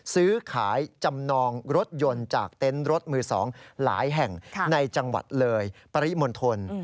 ซื้อขายจำนองรถยนต์จากเต็นต์รถมือ๒หลายแห่งในจังหวัดเลยปริมณฑล